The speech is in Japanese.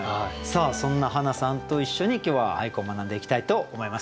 そんなはなさんと一緒に今日は俳句を学んでいきたいと思います。